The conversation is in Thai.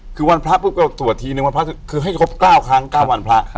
คือวันพระพูดกับสวรรค์ที๑วันพระคือให้ครบ๙ครั้ง๙วันพระ